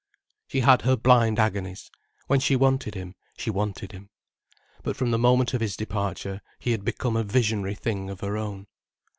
She had her blind agonies, when she wanted him, she wanted him. But from the moment of his departure, he had become a visionary thing of her own.